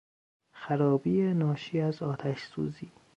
خرابی ناشی از آتشسوزی